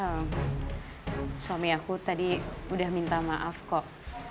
suami aku tadi udah minta maaf kok